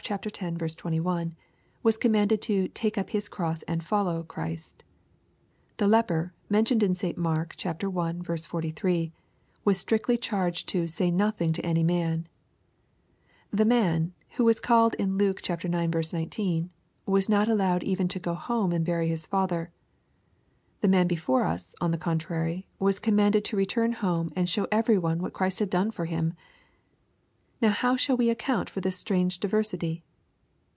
21, was commanded to " take up his cross and follow" Christ The leper, mentioned in St Mark i. 43, was strictly charged to " say nothing to any man." The man, who was called in Luke ix. 19, was not allowed even to go home and bury his father. The man before us, on the contrary, was commanded to return home and show every one what Christ had done for him I Now how shall we account for this strange diversity